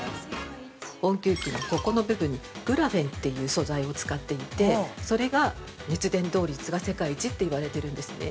温灸器のここの部分に、グラフェンという素材を使っていて、それが熱伝導率が、世界一と言われているんですね。